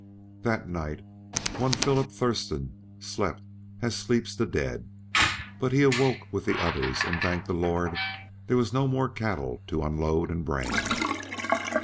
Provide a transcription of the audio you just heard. That night, one Philip Thurston slept as sleeps the dead. But he awoke with the others and thanked the Lord there were no more cattle to unload and brand.